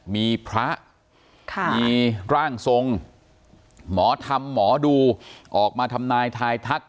มีพระมีร่างทรงหมอธรรมหมอดูออกมาทำนายทายทัก